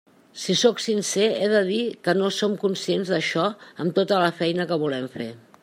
Si sóc sincer, he de dir que no som conscients d'això amb tota la feina que volem fer.